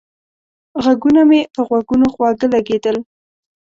غږونه مې په غوږونو خواږه لگېدل